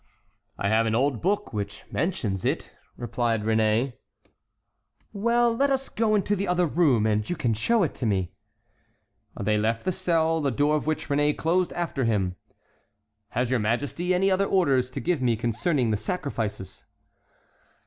"I have an old book which mentions it," replied Réné. "Well, let us go into the other room, and you can show it me." They left the cell, the door of which Réné closed after him. "Has your majesty any other orders to give me concerning the sacrifices?"